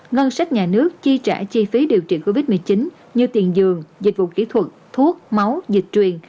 ngân sách nhà nước chi trả chi phí điều trị covid một mươi chín như tiền giường dịch vụ kỹ thuật thuốc máu dịch truyền